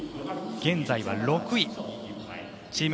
現在は６位です。